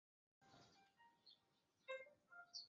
后工作于德商爱礼司洋行宁波经销行美益颜料号。